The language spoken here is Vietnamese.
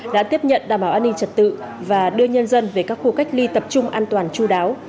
đã tiếp nhận đảm bảo an ninh trật tự và đưa nhân dân về các khu cách ly tập trung an toàn chú đáo